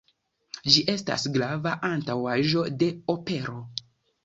Ĝi estas grava antaŭaĵo de opero.